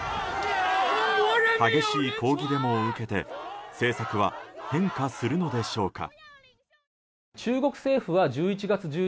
激しい抗議デモを受けて政策は変化するのでしょうか。